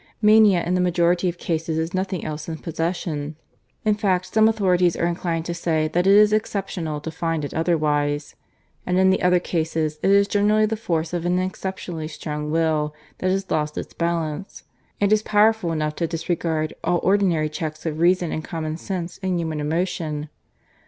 Mania in the majority of cases is nothing else than possession. In fact some authorities are inclined to say that it is exceptional to find it otherwise. And in the other cases it is generally the force of an exceptionally strong will that has lost its balance, and is powerful enough to disregard all ordinary checks of reason and common sense and human emotion.